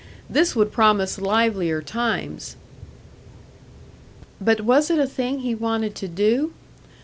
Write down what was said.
This would promise livelier times! But was it a thing he wanted to do?